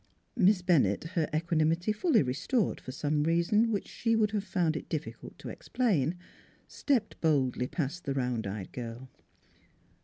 Miss Bennett, her equanimity fully restored for some reason which she would have found it diffi cult to explain, stepped boldly past the round eyed girl.